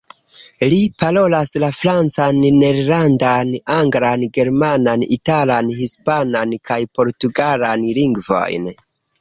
Li parolas la francan, nederlandan, anglan, germanan, italan, hispanan kaj portugalan lingvojn.